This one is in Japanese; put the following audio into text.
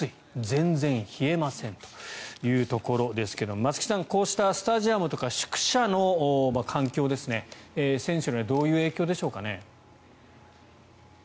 全然冷えませんというところですが松木さん、こうしたスタジアムとか宿舎の環境ですね選手にはどういう影響でしょうかね。